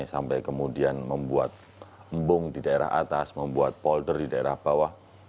sampai kemudian membuat embung di daerah atas membuat polder di daerah bawah